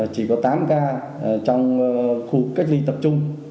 chỉ có tám ca trong khu cách ly tập trung